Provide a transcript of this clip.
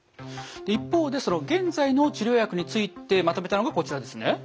一方でその現在の治療薬についてまとめたのがこちらですね。